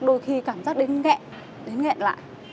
đôi khi cảm giác đến nghẹn đến nghẹn lại